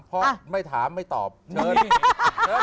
พอไม่ถามไม่ตอบเชิญ